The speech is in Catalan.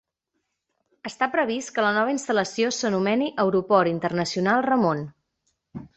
Està previst que la nova instal·lació s'anomeni Aeroport Internacional Ramon.